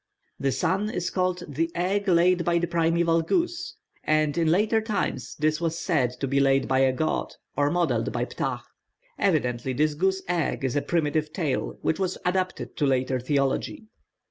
The sun is called the egg laid by the primeval goose; and in later time this was said to be laid by a god, or modelled by Ptah. Evidently this goose egg is a primitive tale which was adapted to later theology.